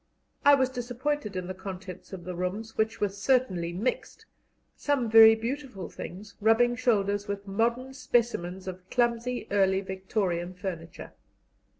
I was disappointed in the contents of the rooms, which were certainly mixed, some very beautiful things rubbing shoulders with modern specimens of clumsy early Victorian furniture.